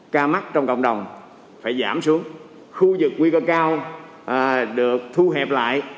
ca mắc trong cộng đồng phải giảm xuống khu vực nguy cơ cao được thu hẹp lại